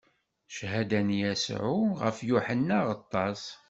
Cchada n Yasuɛ ɣef Yuḥenna Aɣeṭṭaṣ.